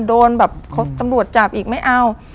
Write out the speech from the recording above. โดนแบบมตัวจับอีกไม๊เอา